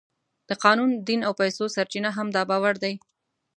د قانون، دین او پیسو سرچینه هم دا باور دی.